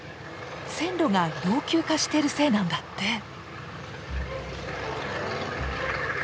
線路が老朽化してるせいなんだって。